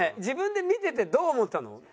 自分で見ててどう思ったの？